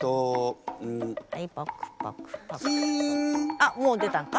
あっもう出たんか？